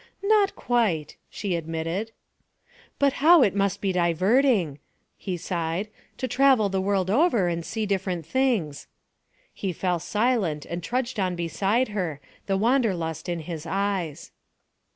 'Not quite,' she admitted. 'But how it must be diverting,' he sighed, 'to travel the world over and see different things.' He fell silent and trudged on beside her, the wanderlust in his eyes.